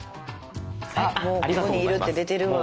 あもうここにいるって出てるわ。